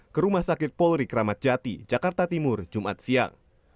ke rumah sakit polri kramat jati jakarta timur jumat siang